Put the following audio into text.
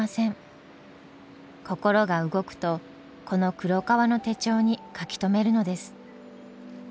心が動くとこの黒革の手帳に書き留めるのです。